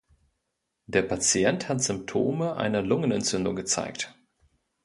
Der Patient hat Symptome einer Lungenentzündung gezeigt